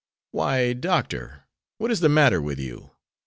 "Why, Doctor, what is the matter with you?